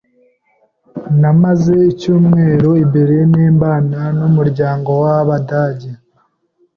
Namaze icyumweru i Berlin mbana n'umuryango w'Abadage.